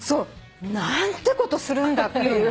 何てことするんだっていう。